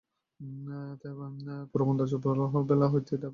তাই পুরন্দর ভোরবেলা হইতে ঢাক-ঢোল আনাইয়া পাড়া মাথায় করিয়া তুলিল।